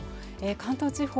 関東地方